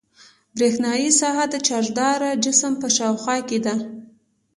برېښنايي ساحه د چارجداره جسم په شاوخوا کې ده.